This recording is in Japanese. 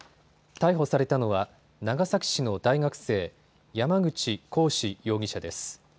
逮捕されたのは長崎市の大学生、山口鴻志容疑者です。